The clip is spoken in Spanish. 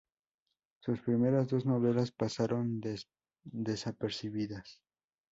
Sus primeras dos novelas pasaron desapercibidas.